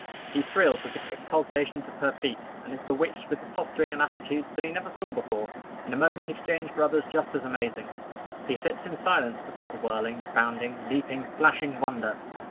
He thrills with the quick pulsations of her feet, and is bewitched with the posturing and attitudes that he never saw before, in a moment exchanged for others just as amazing. He sits in silence before the whirling, bounding, leaping, flashing wonder.